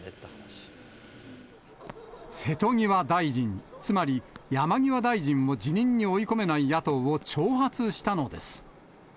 瀬戸際大臣、つまり山際大臣を辞任に追い込めない野党を挑発したのです。